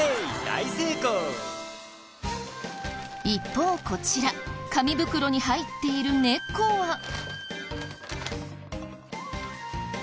一方こちら紙袋に入っている猫は。